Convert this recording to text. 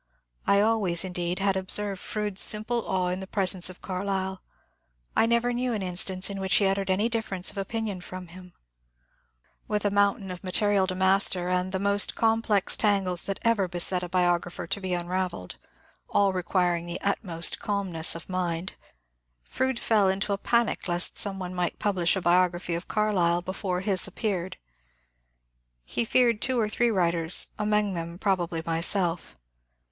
I always, indeed, had observed Fronde's simple awe in the presence of Carlyle ; I never knew an instance in which he uttered any difference of opinion from him. 214 MONCURE DANIEL CONWAY With a mountain of material to master, and the most com plex tangles that ever beset a biographer to be unrayelled, — all requiring the utmost cahnness of mind, — Froude fell into a panic lest some one might publish a biography of Car lyle before his appeared. He feared two or three writers, among them probably myself.